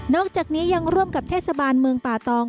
อกจากนี้ยังร่วมกับเทศบาลเมืองป่าตอง